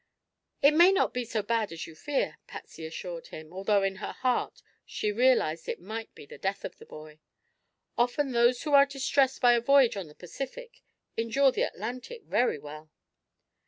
"It may not be so bad as you fear," Patsy assured him, although in her heart she realized it might be the death of the boy. "Often those who are distressed by a voyage on the Pacific endure the Atlantic very well."